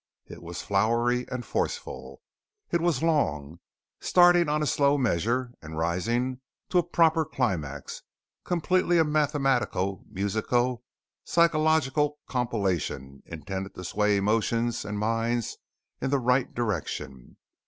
It was flowery and forceful. It was long; starting on a slow measure and rising to a proper climax, completely a mathematico musico psychologico compilation intended to sway emotions and minds in the right direction.